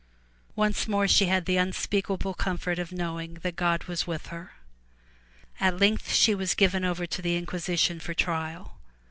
Once more she had the un speakable comfort of knowing that God was with her. At length she was given over to the inquisition for trial.